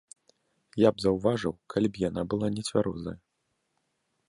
Я б заўважыў, калі б яна была нецвярозая.